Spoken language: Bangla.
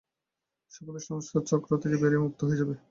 সকলেই সংসার চক্র থেকে বেরিয়ে মুক্ত হয়ে যাবে।